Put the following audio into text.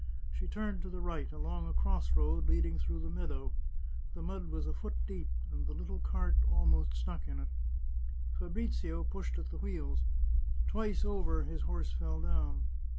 She turned to the right, along a cross road leading through the meadow; the mud was a foot deep, and the little cart almost stuck in it. Fabrizio pushed at the wheels. Twice over his horse fell down.